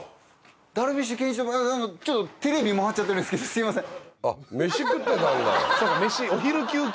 テレビ回っちゃってるんですけどすいません。